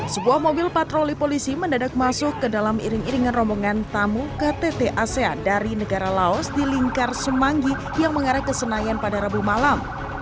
sebuah mobil patroli polisi mendadak masuk ke dalam iring iringan rombongan tamu ktt asean dari negara laos di lingkar semanggi yang mengarah ke senayan pada rabu malam